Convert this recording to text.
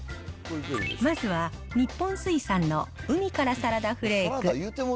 まずは日本水産の海からサラダフレーク。